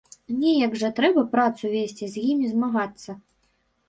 Неяк жа трэба працу весці, з імі змагацца.